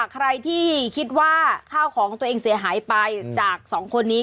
ใครที่คิดว่าข้าวของตัวเองเสียหายไปจากสองคนนี้